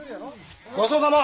ごちそうさま！